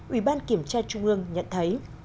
ủy ban kiểm tra trung ương nhận thấy